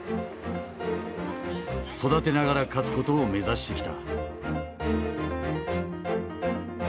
「育てながら勝つ」ことを目指してきた。